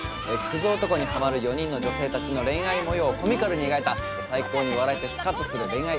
クズ男にハマる４人の女性たちの恋愛模様をコミカルに描いた最高に笑えてスカッとする恋愛エンターテインメントです。